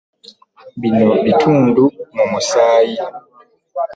Bino bituli mu musaayi.